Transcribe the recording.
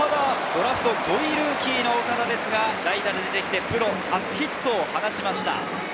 ドラフト５位ルーキーの岡田ですが、プロ初ヒットを放ちました。